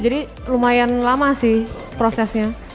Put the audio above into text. jadi lumayan lama sih prosesnya